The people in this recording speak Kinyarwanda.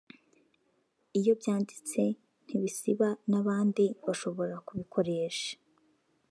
iyo byanditse ntibisiba n’abandi bashobora kubikoresha